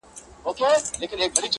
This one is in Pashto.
د وخت له کانه به را باسمه غمي د الماس,